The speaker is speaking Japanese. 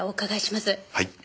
はい。